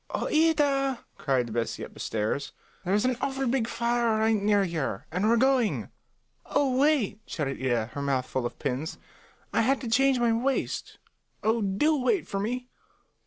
"Oh, Ida," cried Bessie up the stairs, "there's an awful big fire right near here, and we're going." "Oh, wait!" shouted Ida, her mouth full of pins. "I had to change my waist. Oh, do wait for me.